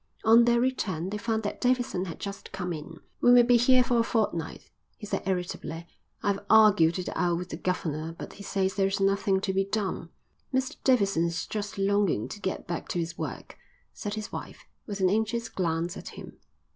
On their return they found that Davidson had just come in. "We may be here for a fortnight," he said irritably. "I've argued it out with the governor, but he says there is nothing to be done." "Mr Davidson's just longing to get back to his work," said his wife, with an anxious glance at him.